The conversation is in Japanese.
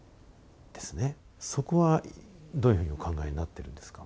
そこはどういうふうにお考えになってるんですか？